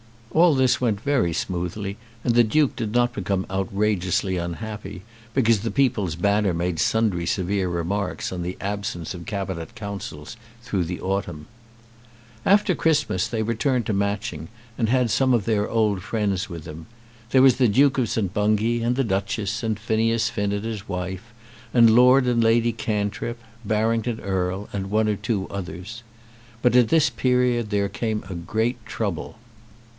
All this went very smoothly, and the Duke did not become outrageously unhappy because the "People's Banner" made sundry severe remarks on the absence of Cabinet Councils through the autumn. After Christmas they returned to Matching, and had some of their old friends with them. There was the Duke of St. Bungay and the Duchess, and Phineas Finn and his wife, and Lord and Lady Cantrip, Barrington Erle, and one or two others. But at this period there came a great trouble.